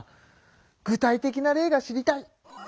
具体的な例が知りたい。